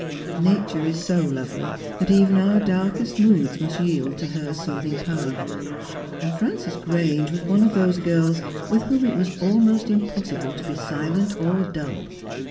Nature is so lovely that even our darkest moods must yield to her soothing power. And Frances Grange was one of those girls with whom it was almost impossible to be silent or dull.